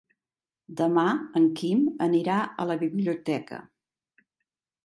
Demà en Quim anirà a la biblioteca.